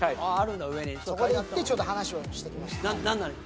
そこで行ってちょっと話をしてきました。